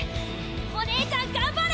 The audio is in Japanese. お姉ちゃん頑張れ！